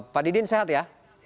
pak didin sehat ya